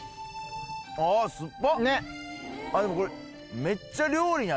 でもこれ。